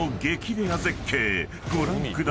レア絶景ご覧ください］